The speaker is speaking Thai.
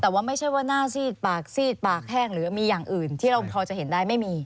แต่ว่าไม่ใช่ว่าหน้าซีดปากซีดปากแห้งหรือมีอย่างอื่นที่เราพอจะเห็นได้ไม่มี